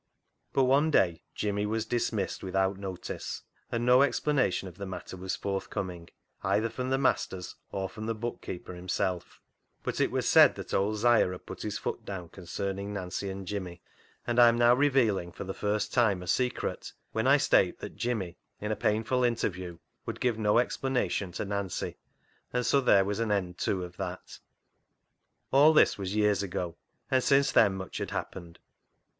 But one day Jimmy was dismissed without notice, and no explanation of the matter was forthcoming, either from the masters or from the bookkeeper himself, but it was said that old 'Siah had put his foot down concerning Nancy and Jimmy, and I am now revealing for the first time a secret when I state that Jimmy in a painful interview would give no explanation to Nancy, and so there was an end, too, of that. All this was years ago, and since then much had happened.